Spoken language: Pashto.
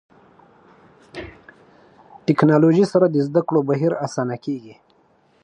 ټکنالوژي سره د زده کړو بهیر اسانه کېږي.